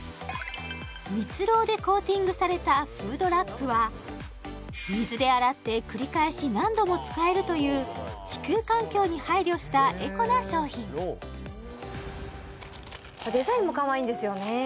ミツロウでコーティングされたフードラップは水で洗って繰り返し何度も使えるという地球環境に配慮したエコな商品デザインも可愛いんですよねへえ